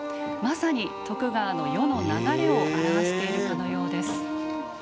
まさに徳川の世の流れを表しているかのようです。